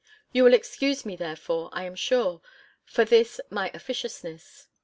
You will excuse me therefore, I am sure, for this my officiousness.